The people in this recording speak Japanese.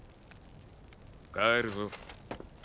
帰るぞ。